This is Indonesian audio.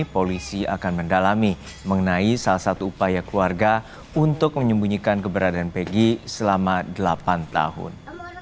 polisi akan mendalami mengenai salah satu upaya keluarga untuk menyembunyikan keberadaan pg selama delapan tahun